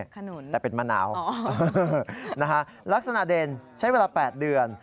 ขนุนแต่เป็นมะนาวลักษณะเด่นใช้เวลา๘เดือน